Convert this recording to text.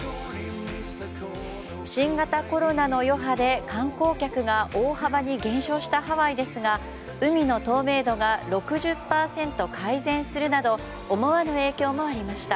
新型コロナの余波で観光客が大幅に減少したハワイですが海の透明度が６０％改善するなど思わぬ影響もありました。